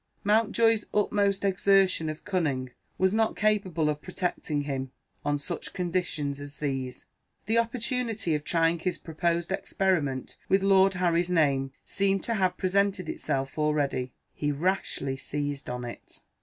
Mountjoy's utmost exertion of cunning was not capable of protecting him on such conditions as these. The opportunity of trying his proposed experiment with Lord Harry's name seemed to have presented itself already. He rashly seized on it.